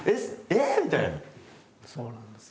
そうなんですね。